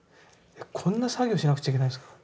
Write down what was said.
こんな作業しなくちゃいけないんですか？